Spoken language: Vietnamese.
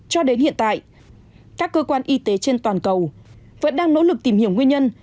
cho đến hiện tại các cơ quan y tế trên toàn cầu vẫn đang nỗ lực tìm hiểu nguyên nhân